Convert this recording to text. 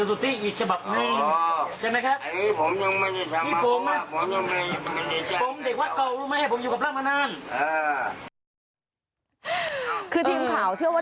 ซักอย่าง